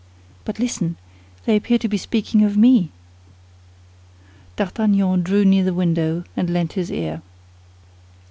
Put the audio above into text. But listen; they appear to be speaking of me." D'Artagnan drew near the window, and lent his ear.